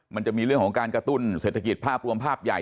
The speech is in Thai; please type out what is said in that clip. มันจะมีเรื่องของการกระตุ้นเศรษฐกิจภาพรวมภาพใหญ่